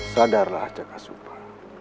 sadarlah cak asupa